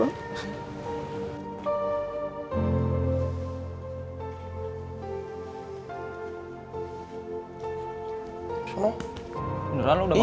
beneran lo udah makan